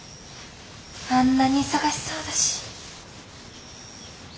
あんなに忙しそうだし。